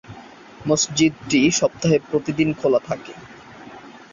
মসজিদটি সপ্তাহের প্রতিদিন খোলা থাকে।